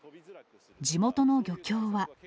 地元の漁協は。